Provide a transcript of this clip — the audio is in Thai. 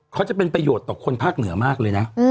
เขาจะเป็นประโยชน์ต่อคนภาคเหนือมากเลยนะ